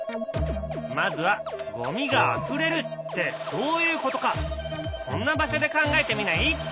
まずは「ゴミがあふれる」ってどういうことかこんな場所で考えてみない？